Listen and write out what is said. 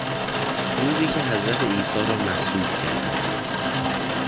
روزی که حضرت عیسی را مصلوب کردند